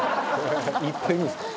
「いっぱいいるんですか？